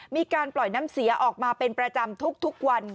มีการปล่อยน้ำเสียออกมาเป็นประจำทุกวัน